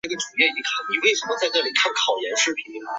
他认为波函数由于与意识的相互作用而坍缩。